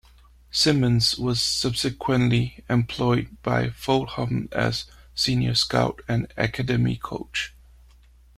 Symons was subsequently employed by Fulham as Senior Scout and Academy Coach.